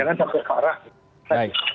jangan sampai parah